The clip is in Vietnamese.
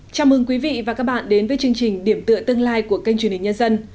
chào mừng quý vị và các bạn đến với chương trình điểm tựa tương lai của kênh truyền hình nhân dân